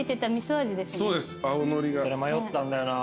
それ迷ったんだよな。